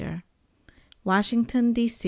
WASHINGTON, D.